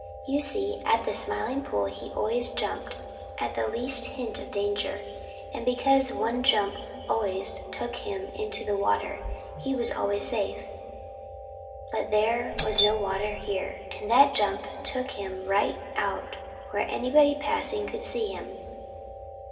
You see, at the Smiling Pool he always jumped at the least hint of danger, and because one jump always took him into the water, he was always safe. But there was no water here, and that jump took him right out where anybody passing could see him.